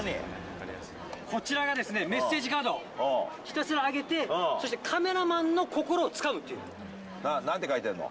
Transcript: こちらがメッセージカード、ひたすら上げて、そして、カメラマンの心をつかむっていう。なんて書いてあるの？